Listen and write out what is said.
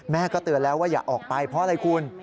เตือนแล้วว่าอย่าออกไปเพราะอะไรคุณ